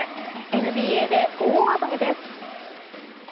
ＮＢＡで大暴れです。